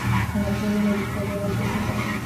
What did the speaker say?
En el juego del dictador hay dos jugadores.